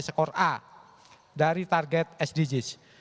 skor a dari target sdgs